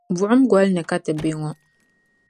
Buɣum gɔli ni ka ti bɛ ŋɔ.